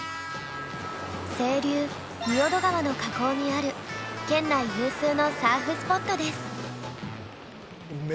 清流仁淀川の河口にある県内有数のサーフスポットです。